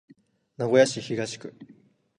名古屋市東区